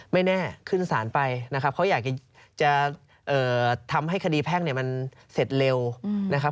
ไม่แน่ขึ้นศาลไปนะครับเขาอยากจะทำให้คดีแพ่งเนี่ยมันเสร็จเร็วนะครับ